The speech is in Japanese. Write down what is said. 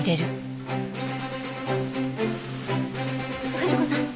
藤子さん。